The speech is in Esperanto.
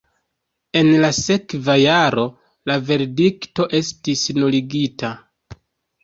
En la sekva jaro la verdikto estis nuligita.